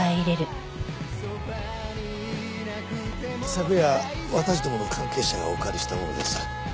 昨夜私どもの関係者がお借りしたものです。